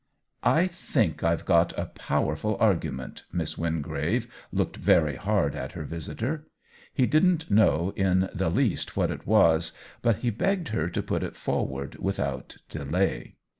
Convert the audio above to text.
" I think IVe got a powerful argument." Miss Wingrave looked very hard at her visitor. He didn't know in the least what it was, but he begged her to put it forward without delay.